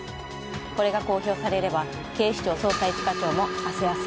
これが公表されれば警視庁・捜査一課長もあせあせ。